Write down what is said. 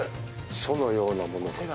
書のようなものかな。